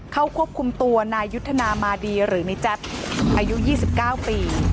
เข้าควบคุมตัวนายุทธนามาดีหรือนิจัดอายุยี่สิบเก้าปี